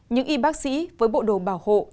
những y bác sĩ với bộ đồ bảo hộ